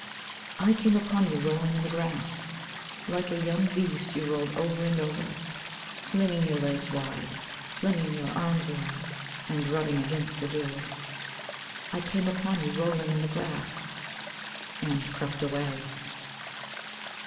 SONG. I CAME upon you rolling in the grass, Like a young beast you rolled over and over, Flinging your legs wide, Flinging your arms wide. And rubbing against the dew. I came upon you rolling in the grass And crept away.